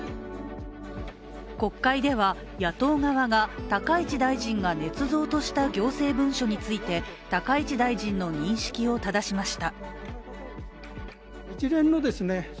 国会では野党側が高市大臣がねつ造とした行政文書について高市大臣の認識をただしました。